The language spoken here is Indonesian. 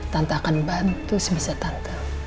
tante akan bantu sebisa tante